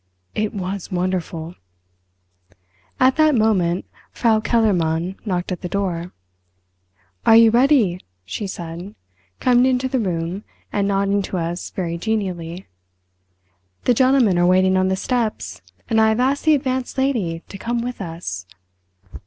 It was wonderful!" At that moment Frau Kellermann knocked at the door. "Are you ready?" she said, coming into the room and nodding to us very genially. "The gentlemen are waiting on the steps, and I have asked the Advanced Lady to come with us."